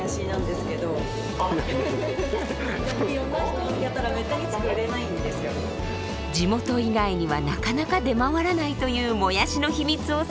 こちら地元以外にはなかなか出回らないというもやしの秘密を探りに！